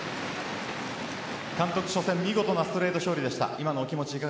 監督、初戦見事なストレート勝利でした。